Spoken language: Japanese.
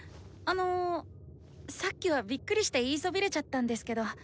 あのさっきはびっくりして言いそびれちゃったんですけど。